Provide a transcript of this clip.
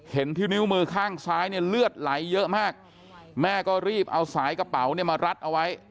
ที่นิ้วมือข้างซ้ายเนี่ยเลือดไหลเยอะมากแม่ก็รีบเอาสายกระเป๋าเนี่ยมารัดเอาไว้